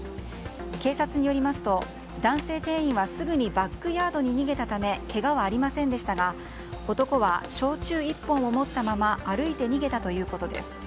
警察によりますと男性店員はすぐにバックヤードに逃げたためけがはありませんでしたが男は焼酎１本を持ったまま歩いて逃げたということです。